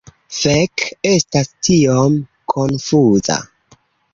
Fek, estas tiom konfuza…